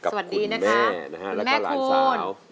สวัสดีนะคะคุณแม่คุณแล้วก็ล้านสาว